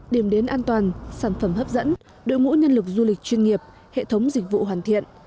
điểm đến an toàn sản phẩm hấp dẫn đội ngũ nhân lực du lịch chuyên nghiệp hệ thống dịch vụ hoàn thiện